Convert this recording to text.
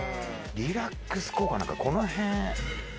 リラックス効果なんかこの辺。